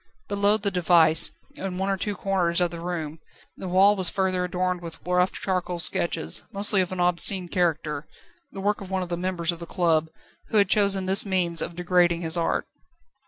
Below the device, in one or two corners of the room, the wall was further adorned with rough charcoal sketches, mostly of an obscene character, the work of one of the members of the club, who had chosen this means of degrading his art.